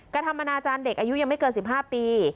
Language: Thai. กระทำอนาจารย์เด็กอายุยังไม่เกิน๑๕ปี